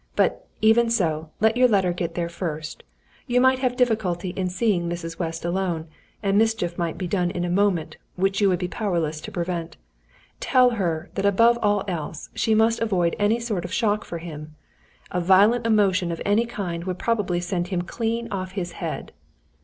But, even so, let your letter get there first. You might have difficulty in seeing Mrs. West alone, and mischief might be done in a moment, which you would be powerless to prevent. Tell her, that above all else, she must avoid any sort of shock for him. A violent emotion of any kind would probably send him clean off his head."